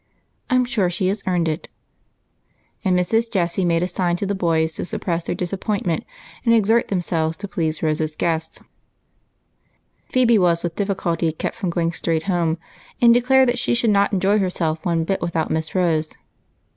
I 'm sure she has earned it ;" and Mrs. Jessie made a sign to the boys to suppress their disappointment and exert themselves to please Rose's guest. Phebe was with difiiculty kept from going straight home, and declared that she should not enjoy herself one bit without Miss Rose.